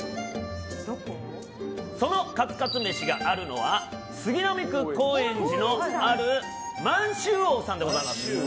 そのカツカツ飯があるのは杉並区高円寺にある満州王でございます。